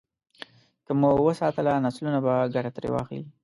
که مو وساتله، نسلونه به ګټه ترې واخلي.